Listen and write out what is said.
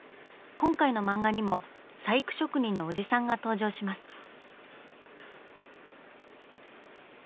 今回の漫画にも細工職人のおじさんが登場します。